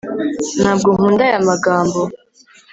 Ntabwo nkunda aya magambo